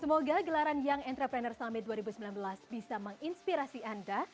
semoga gelaran young entrepreneur summit dua ribu sembilan belas bisa menginspirasi anda